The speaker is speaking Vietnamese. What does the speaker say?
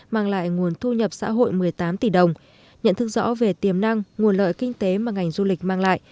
mang lại nguồn thu nhập xã hội một mươi tám tỷ đồng nhận thức rõ về tiềm năng nguồn lợi kinh tế mà ngành du lịch mang lại